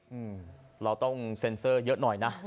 อืมเราต้องเซ็นเซอร์เยอะหน่อยนะ